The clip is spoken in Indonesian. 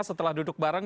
setelah duduk bareng